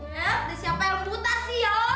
ya ada siapa yang putar sih ya